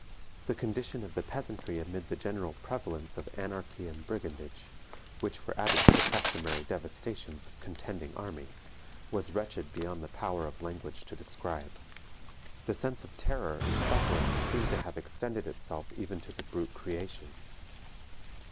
The condition of the peasantry amid the general prevalence of anarchy and brigandage, which were added to the customary devastations of contending armies, was wretched beyond the power of language to describe. The sense of terror and suffering seemed to have extended itself even to the brute creation.